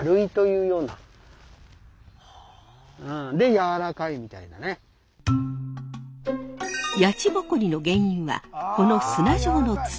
やちぼこりの原因はこの砂状の土。